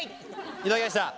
頂きました。